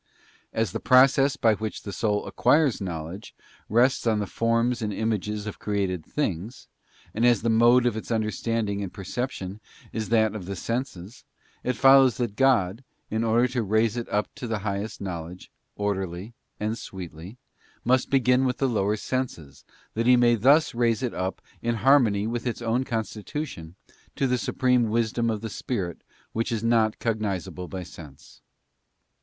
As the process by which the soul acquires knowledge rests on the forms and images of created things, and as the mode of its understanding and perception is that of the senses, it follows that God, in order to raise it up to the highest knowledge, orderly and sweetly, must begin with the lower senses, that He may thus raise it up in harmony with its own constitution to the supreme Wisdom of the Spirit which is not cognisable by sense.